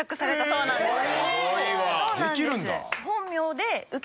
そうなんです。